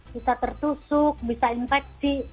bisa tertusuk bisa infeksi